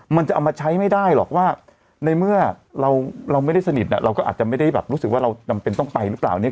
มันจะเอามาใช้ไม่ได้หรอกว่าในเมื่อเราไม่ได้สนิทเราก็อาจจะไม่ได้แบบรู้สึกว่าเราจำเป็นต้องไปหรือเปล่าเนี่ย